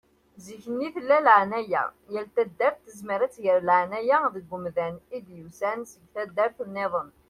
Zikk-nni tella laεnaya. Yal taddart tezmer ad tger laεnaya deg umdan i d-yusan seg taddart-nniḍen.